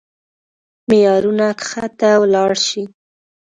معيارونه کښته ولاړ شي.